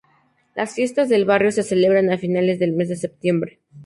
Las fiestas del barrio se celebran a finales del mes de septiembre.